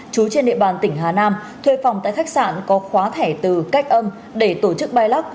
chú trên địa bàn tỉnh hà nam thuê phòng tại khách sạn có khóa thẻ từ cách âm để tổ chức bay lắc